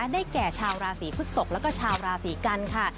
ได้แก่ชาวราศีพฤกษกแล้วก็ชาวราศีกันค่ะ